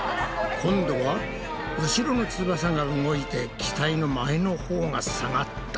今度は後ろの翼が動いて機体の前のほうが下がった。